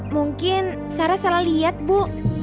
mungkin sarah selalu lihat bu